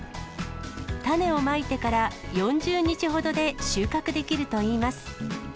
種をまいてから４０日ほどで収穫できるといいます。